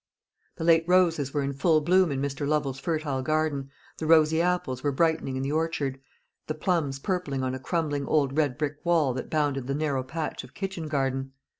The late roses were in full bloom in Mr. Lovel's fertile garden, the rosy apples were brightening in the orchard, the plums purpling on a crumbling old red brick wall that bounded the narrow patch of kitchen garden.